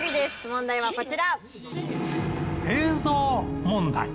問題はこちら。